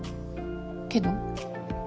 けど？